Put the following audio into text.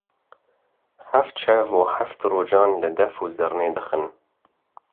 Heft şev û heft rojan li def û zirnê dixin.